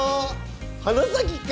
花咲か！